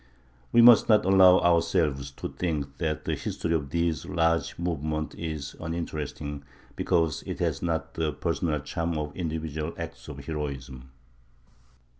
We must not allow ourselves to think that the history of these large movements is uninteresting because it has not the personal charm of individual acts of heroism.